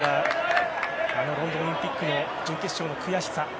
酒井宏樹はロンドンオリンピックの準決勝の悔しさ。